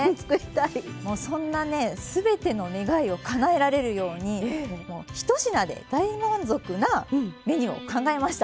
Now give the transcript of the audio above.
もうそんなね全ての願いをかなえられるように１品で大満足なメニューを考えました。